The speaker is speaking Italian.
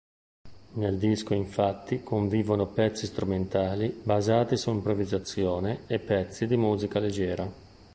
Nel disco infatti convivono pezzi strumentali basati sull'improvvisazione e pezzi di musica leggera.